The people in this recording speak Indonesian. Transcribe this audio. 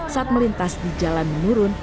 saat melintas di jalan menurun